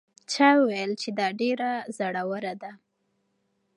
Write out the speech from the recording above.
چا وویل چې دا ډېره زړه وره ده؟